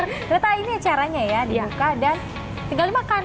ternyata ini acaranya ya dibuka dan tinggal dimakan